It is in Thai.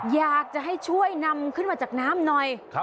อยากจะให้ช่วยนำขึ้นมาจากน้ำหน่อย